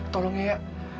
tolong ya ya